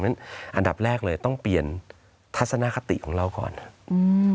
เพราะฉะนั้นอันดับแรกเลยต้องเปลี่ยนทัศนคติของเราก่อนอืม